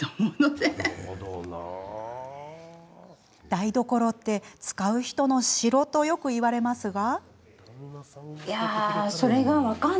台所って使う人の城とよく言われますが。